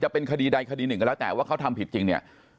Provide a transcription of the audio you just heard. เป็นคดีใดคดีหนึ่งก็แล้วแต่ว่าเขาทำผิดจริงเนี่ย